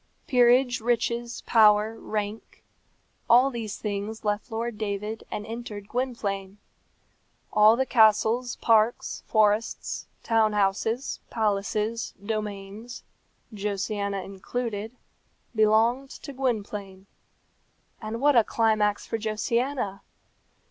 Peerage, riches, power, rank all these things left Lord David and entered Gwynplaine. All the castles, parks, forests, town houses, palaces, domains, Josiana included, belonged to Gwynplaine. And what a climax for Josiana!